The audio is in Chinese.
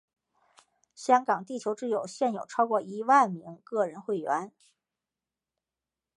香港地球之友现有超过一万名个人会员。